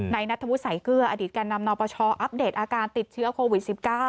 นัทธวุฒิสายเกลืออดีตแก่นำนปชอัปเดตอาการติดเชื้อโควิด๑๙